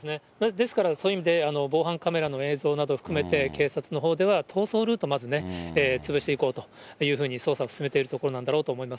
ですからそういう意味で、防犯カメラの映像など含めて、警察のほうでは逃走ルートをまず潰していこうというふうに捜査を進めているところなんだろうと思います。